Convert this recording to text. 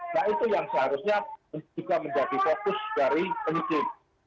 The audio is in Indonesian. nah itu yang seharusnya juga menjadi fokus dari penyidik